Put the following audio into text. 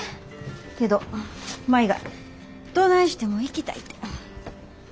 けど舞がどないしても行きたいて。